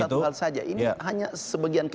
ini bukan satu hal saja